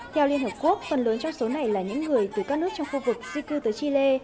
theo liên hợp quốc phần lớn trong số này là những người từ các nước trong khu vực di cư tới chile